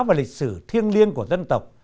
và lịch sử thiêng liêng của dân tộc